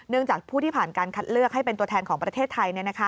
จากผู้ที่ผ่านการคัดเลือกให้เป็นตัวแทนของประเทศไทย